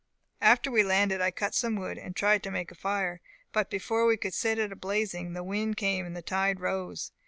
"After we landed I cut some wood, and tried to make a fire; but before we could set it a blazing the wind came and the tide rose.